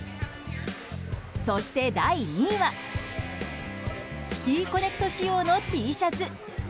そして第２位はシティ・コネクト仕様のＴシャツ。